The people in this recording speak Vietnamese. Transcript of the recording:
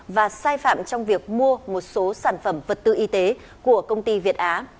và sai phạm trong việc mua một số sản phẩm vật tư y tế của công ty việt á